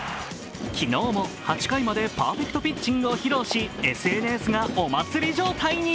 昨日も８回までパーフェクトピッチングを披露しＳＮＳがお祭り状態に。